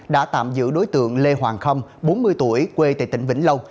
đã tạm giữ đối tượng lê hoàng khâm bốn mươi tuổi quê tỉnh vĩnh lâu